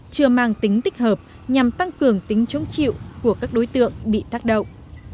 chưa mang tính tích hợp nhằm tăng cường tính chống chịu của các đối tượng bị tác động